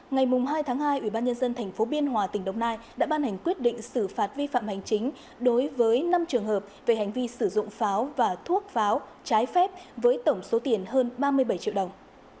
ngày hai tháng hai ubnd tp biên hòa tỉnh đồng nai đã ban hành quyết định xử phạt vi phạm hành chính đối với năm trường hợp về hành vi sử dụng pháo và thuốc pháo trái phép với tổng số tiền hơn ba mươi bảy triệu đồng